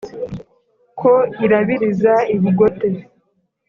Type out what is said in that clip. Ko irabiriza i Bugote